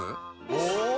お！